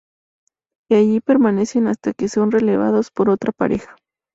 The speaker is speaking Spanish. Y allí permanecen hasta que son relevados por otra pareja.